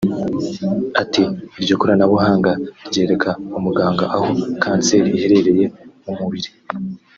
Ati “Iryo koranabuhanga ryereka umuganga aho kanseri iherereye mu mubiri